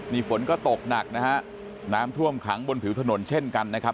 นี่ฝนก็ตกหนักนะฮะน้ำท่วมขังบนผิวถนนเช่นกันนะครับ